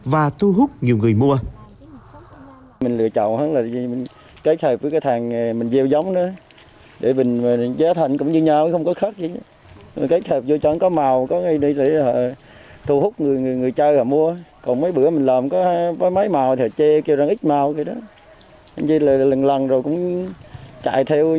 và thu hút nhiều người mua